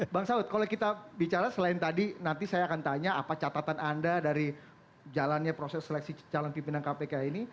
bang saud kalau kita bicara selain tadi nanti saya akan tanya apa catatan anda dari jalannya proses seleksi calon pimpinan kpk ini